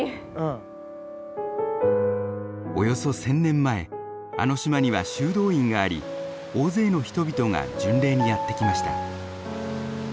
およそ１，０００年前あの島には修道院があり大勢の人々が巡礼にやって来ました。